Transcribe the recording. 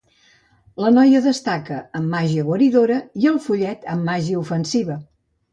La noia destaca en màgia guaridora i el follet en màgia ofensiva.